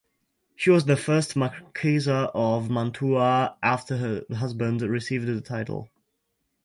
She was the first Marquesa of Mantua after her husband received the title.